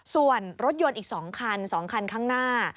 ส่วนรถยนต์อีก๒คัน๒คันข้างหน้า